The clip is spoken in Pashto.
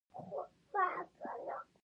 د مومن خان سر یې پر خپل زنګانه کېښود.